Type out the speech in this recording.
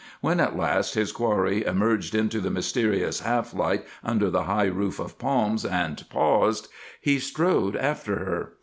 When, at last, his quarry emerged into the mysterious half light under the high roof of palms, and paused, he strode after her.